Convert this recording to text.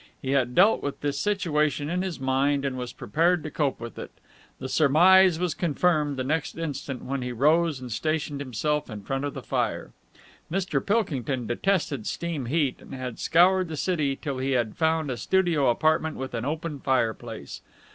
He had dealt with this situation in his mind and was prepared to cope with it. The surmise was confirmed the next instant when he rose and stationed himself in front of the fire. Mr. Pilkington detested steam heat and had scoured the city till he had found a studio apartment with an open fireplace.